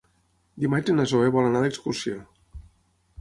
Dimarts na Zoè vol anar d'excursió.